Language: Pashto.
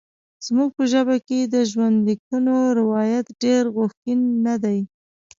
زموږ په ژبه کې د ژوندلیکونو روایت ډېر غوښین نه دی.